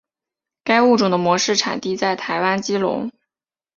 该物种的模式产地在台湾基隆。